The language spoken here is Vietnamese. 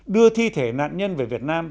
đưa thi thể nạn nhân về việt nam